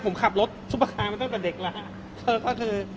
ผมขับรถซุปเปอร์คาร์มาตั้งแต่เด็กแล้วครับ